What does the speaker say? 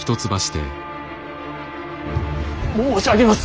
申し上げます！